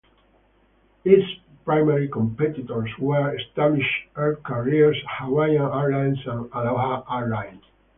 Its primary competitors were established air carriers Hawaiian Airlines and Aloha Airlines.